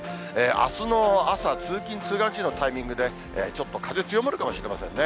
あすの朝、通勤・通学時のタイミングで、ちょっと風強まるかもしれませんね。